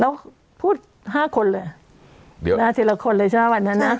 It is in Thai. แล้วพูดห้าคนเลยเดี๋ยวนะทีละคนเลยใช่ไหมวันนั้นนะ